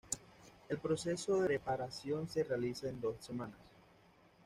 El proceso de reparación se realiza en dos semanas.